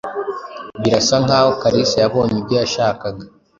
Birasa nkaho Kalisa yabonye ibyo yashakaga.